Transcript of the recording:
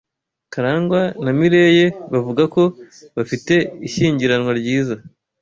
Karangwa na Mirelle bavuga ko bafite ishyingiranwa ryiza.